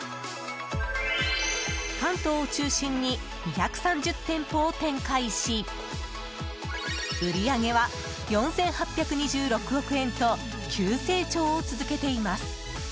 関東を中心に２３０店舗を展開し売り上げは４８２６億円と急成長を続けています。